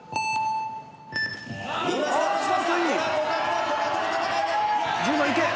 今スタートしました。